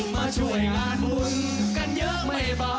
มาช่วยงานบุญกันเยอะไม่เบา